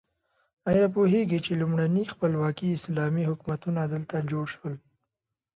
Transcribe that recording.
ایا پوهیږئ چې لومړني خپلواکي اسلامي حکومتونه دلته جوړ شول؟